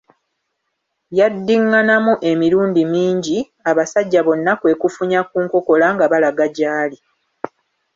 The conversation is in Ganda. Yaddinganamu emirundi mingi, abasajja bonna kwe kufunya ku nkokola nga balaga gy'ali.